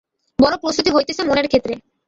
বড় প্রস্তুতি হইতেছে মনের ক্ষেত্রে।